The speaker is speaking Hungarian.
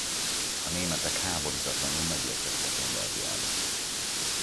A németek háborítatlanul megérkeztek Lombardiába.